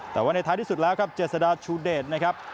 แต่ว่าในท้ายที่สุดแล้วครับเจษฎาชูเดชนะครับ